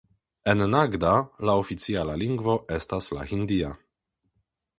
En Nagda la oficiala lingvo estas la hindia.